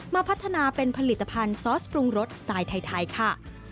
มาพัฒนาเป็นผลิตภัณฑ์ซอสปรุงรสสไตล์ไทยค่ะ